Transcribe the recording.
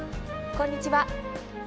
こんにちは。